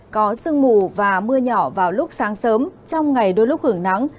có sương mù và mưa nhỏ vào lúc sáng sớm trong ngày đôi lúc hưởng nắng